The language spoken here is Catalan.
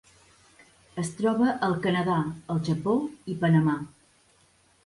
Es troba al Canadà, el Japó i Panamà.